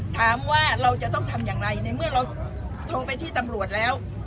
ถามว่าเราจะต้องทำอย่างไรในเมื่อเราโทรไปที่ตำรวจแล้ว